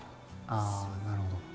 ああなるほど。